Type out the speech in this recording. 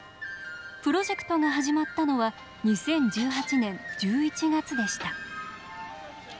プロジェクトが始まったのは２０１８年１１月でした。